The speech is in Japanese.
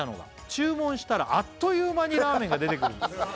「注文したらあっという間にラーメンが出てくるんです」